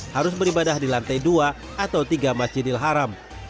harus beribadah di lantai dua atau tiga masjidil haram